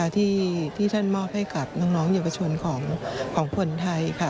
ที่ท่านมอบให้กับน้องเหยียบประชวนของคนไทย